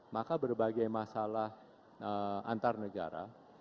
maka berbagai masalah antar negara